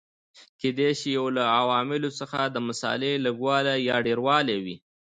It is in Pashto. کېدای شي یو له عواملو څخه د مسالې لږوالی یا ډېروالی وي.